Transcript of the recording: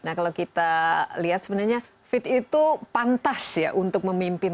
nah kalau kita lihat sebenarnya fit itu pantas ya untuk memimpin